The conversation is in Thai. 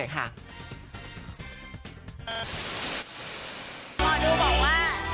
ดูบอกว่าจะเจอแล้วก็จะเป็นผู้ชายด้วยที่เอามาให้